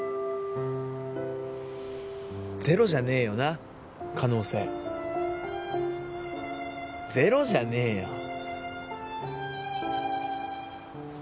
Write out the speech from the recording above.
ゼロじゃねえよな可能性ゼロじゃねえよ